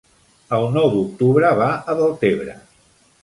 El nou d'octubre va a Deltebre.